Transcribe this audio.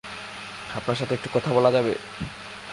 আপনার সাথে একটু কথা বলা যাবে?